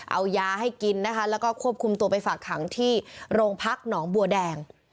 เอายาให้กินนะคะแล้วก็ควบคุมตัวไปฝากขังที่โรงพักหนองบัวแดง